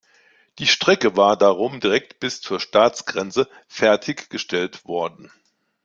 Die Strecke war darum direkt bis zur Staatsgrenze fertiggestellt worden.